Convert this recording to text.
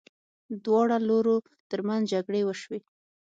دواړو لورو ترمنځ جګړې وشوې.